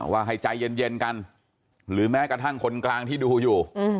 ว่าให้ใจเย็นกันหรือแม้กระทั่งคนกลางที่ดูอยู่